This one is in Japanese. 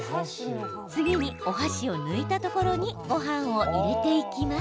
次に、お箸を抜いたところにごはんを入れていきます。